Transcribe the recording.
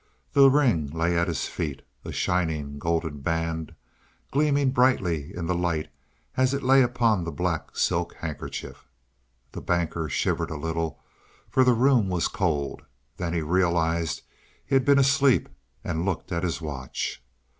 The ring lay at his feet a shining, golden band gleaming brightly in the light as it lay upon the black silk handkerchief. The Banker shivered a little for the room was cold. Then he realized he had been asleep and looked at his watch.